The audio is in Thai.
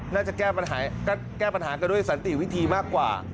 น่าจะแก้ปัญหากันด้วยสันติวิธีมากกว่า